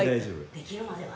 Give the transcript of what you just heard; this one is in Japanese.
「できるまでは」